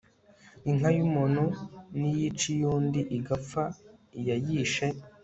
inka y umuntu niyica iy undi igapfa iyayishe